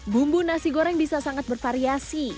bumbu nasi goreng bisa sangat bervariasi